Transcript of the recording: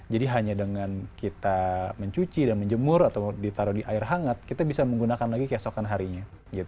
jadi hanya dengan kita mencuci dan menjemur atau ditaruh di air hangat kita bisa menggunakan lagi keesokan harinya